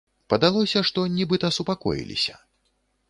Падалося, што нібыта супакоіліся.